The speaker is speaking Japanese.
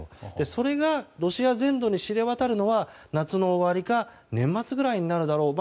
それがロシア全土に知れ渡るのは夏の終わりか年末ぐらいになるだろう。